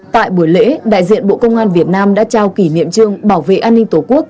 tại buổi lễ đại diện bộ công an việt nam đã trao kỷ niệm trương bảo vệ an ninh tổ quốc